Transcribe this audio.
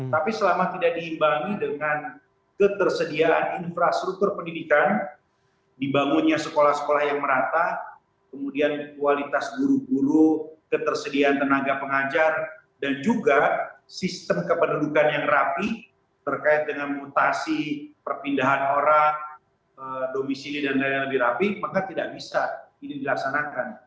tapi selama tidak diimbangi dengan ketersediaan infrastruktur pendidikan dibangunnya sekolah sekolah yang merata kemudian kualitas guru guru ketersediaan tenaga pengajar dan juga sistem kependudukan yang rapi terkait dengan mutasi perpindahan orang domisi dan lain lain yang lebih rapi maka tidak bisa ini dilaksanakan